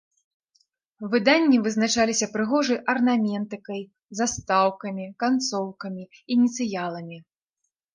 Выданні вызначаліся прыгожай арнаментыкай, застаўкамі, канцоўкамі, ініцыяламі.